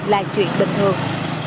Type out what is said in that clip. là chuyện bình thường